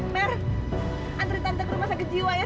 mer antri tante ke rumah sakit jiwa ya